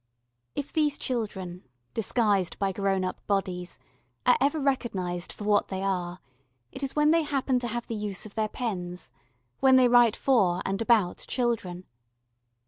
If these children, disguised by grown up bodies, are ever recognised for what they are, it is when they happen to have the use of their pens when they write for and about children.